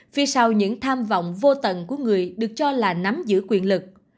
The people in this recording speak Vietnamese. phía sau những tham vọng vô tận của người được cho là nắm giữ quyền lực